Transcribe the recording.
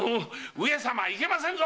上様いけませんぞ！